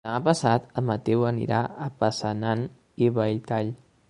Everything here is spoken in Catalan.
Demà passat en Mateu anirà a Passanant i Belltall.